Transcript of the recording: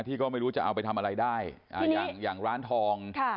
ที่ก็ไม่รู้จะเอาไปทำอะไรได้อย่างอย่างร้านทอง